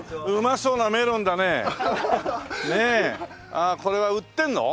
ああこれは売ってるの？